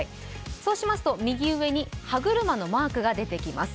そうしますと右上に歯車のマークが出てきます